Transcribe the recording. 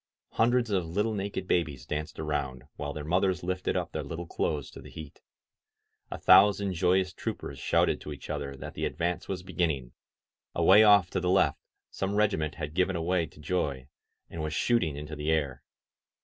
Hundreds of little naked babies danced around, while their mothers lifted up their little clothes to the heat. A thousand joyous troopers shouted to each other that the advance was beginning; away off to the left some regiment had given away to joy, and was shooting into the air.